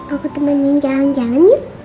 aku temenin jalan jalan yuk